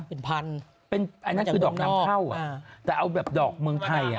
เป็นพันอันนั้นคือดอกหนังเผ้าแต่เอาเขาธรรพี่ในเมืองไทย